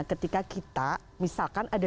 ketika kita misalkan ada